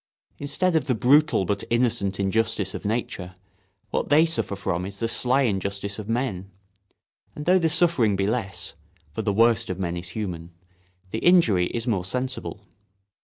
Instead of the brutal but innocent injustice of nature, what they suffer from is the sly injustice of men; and though the suffering be less—for the worst of men is human—the injury is more sensible.